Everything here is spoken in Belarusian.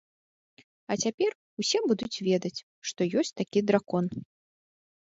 А цяпер усе будуць ведаць, што ёсць такі дракон.